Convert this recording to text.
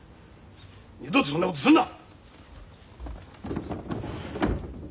二度とそんなことするな！